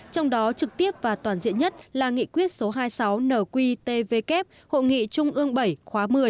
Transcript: trong đó trực tiếp và toàn diện nhất là nghị quyết số hai mươi sáu nqtvk hội nghị trung ương bảy khóa một mươi